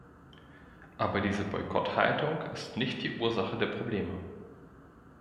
Aber diese Boykotthaltung ist nicht die Ursache der Probleme.